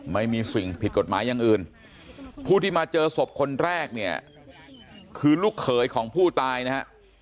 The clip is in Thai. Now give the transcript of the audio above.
ไม่มีสิ่งผิดกฎหมายอย่างอื่นผู้ที่มาเจอศพคนแรกเนี่ยคือลูกเขยของผู้ตายนะฮะ